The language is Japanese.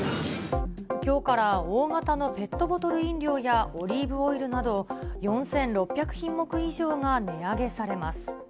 きょうから大型のペットボトル飲料やオリーブオイルなど、４６００品目以上が値上げされます。